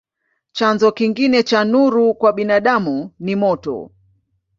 Chanzo kingine cha nuru kwa binadamu ni moto.